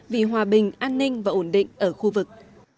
vì hòa bình an ninh và ổn định ở khu vực